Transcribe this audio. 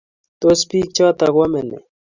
tos bik choto koame ne?